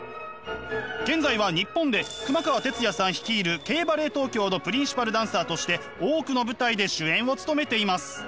現在は日本で熊川哲也さん率いるＫ−ＢＡＬＬＥＴＴＯＫＹＯのプリンシパルダンサーとして多くの舞台で主演を務めています。